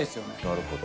なるほど。